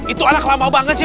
itu anak lama banget sih